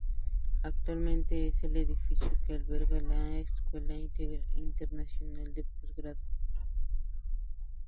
Actualmente es el edificio que alberga la Escuela Internacional de Posgrado.